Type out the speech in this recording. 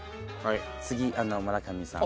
次村上さん。